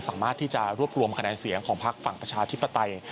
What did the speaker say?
สามารถที่จะรวบรวมคะแนนเสียงของพักฝั่งประชาธิปไตย